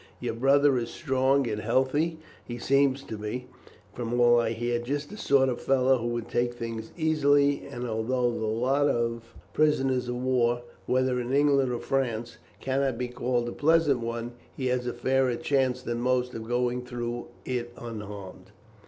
Your brother is strong and healthy; he seems to be, from all I hear, just the sort of fellow who would take things easily, and although the lot of prisoners of war, whether in England or France, cannot be called a pleasant one, he has a fairer chance than most, of going through it unharmed.